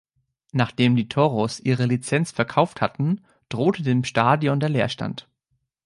Nachdem die Toros ihre Lizenz verkauft hatten, drohte dem Stadion der Leerstand.